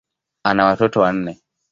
Ana watoto wanne.